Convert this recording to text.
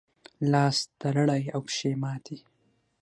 لاس تړلی او پښې ماتې.